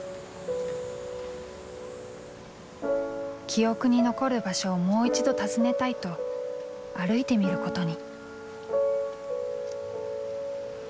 記憶に残る場所をもう一度訪ねたいと歩いてみることに。